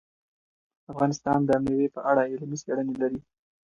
افغانستان د مېوې په اړه علمي څېړنې لري.